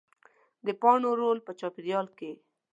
د پاڼو رول په چاپېریال کې